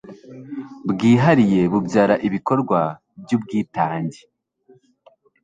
bwihariye bubyara ibikorwa by'ubwitange